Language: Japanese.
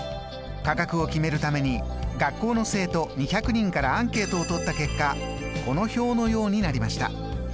価格を決めるために学校の生徒２００人からアンケートを取った結果この表のようになりました。